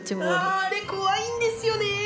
あれ怖いんですよね！